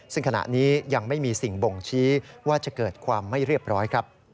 ซึ่งขณะนี้ยังไม่มีสิ่งบ่งชี้ว่าจะเกิดความไม่เรียบร้อยครับ